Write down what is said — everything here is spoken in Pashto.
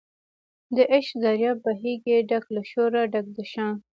د عشق دریاب بهیږي ډک له شوره ډک د شان